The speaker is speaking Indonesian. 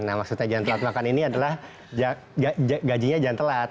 nah maksudnya jangan telat makan ini adalah gajinya jangan telat